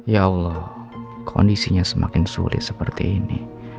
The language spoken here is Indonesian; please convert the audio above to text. ya allah kondisinya semakin sulit seperti ini